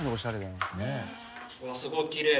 うわあすごいきれい。